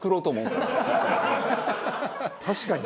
確かに。